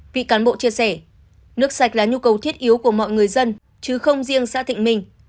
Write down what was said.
vị cán bộ chia sẻ nước sạch là nhu cầu thiết yếu của mọi người dân chứ không riêng xã thịnh minh